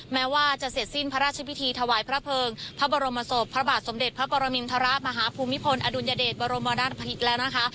แม้ว่าจะเสร็จสิ้นพระราชพิธีถวายพระเภิงพระบรมศพพระบาทสมเด็จพระปรมินทรมาฮภูมิพลอดุลยเดชบรมราชภิษฐ์แล้วนะคะ